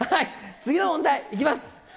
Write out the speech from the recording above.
次の問題いきます。